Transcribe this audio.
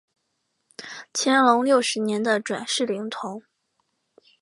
乾隆六十年的转世灵童。